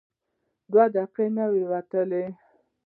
دوه دقیقې نه وې وتلې.